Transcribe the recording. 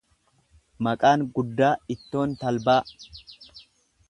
Maqaan guddaa ittoon talbaa.